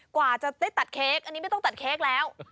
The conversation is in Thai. กว่าจะได้ตัดเค้กอันนี้ไม่ต้องตัดเค้กแล้ว